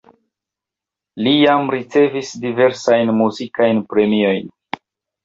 Li jam ricevis diversajn muzikajn premiojn.